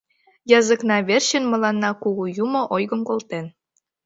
Языкна верчын мыланна кугу юмо ойгым колтен.